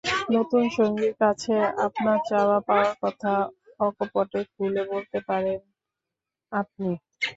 নতুন সঙ্গীর কাছে আপনার চাওয়া-পাওয়ার কথা অকপটে খুলে বলতে পারেন আপনি।